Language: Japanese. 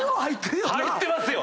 入ってますよ！